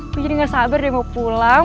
aku jadi gak sabar deh mau pulang